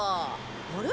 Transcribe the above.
あれ？